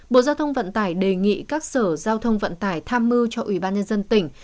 bộ giao thông vận tải đề nghị các sở giao thông vận tải tham mưu cho ủy ban nhân dân tỉnh